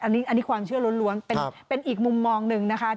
อันนี้ความเชื่อล้วนเป็นอีกมุมมองหนึ่งนะคะ